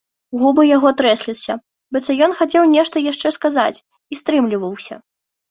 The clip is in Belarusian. Губы яго трэсліся, быццам ён хацеў нешта яшчэ сказаць і стрымліваўся.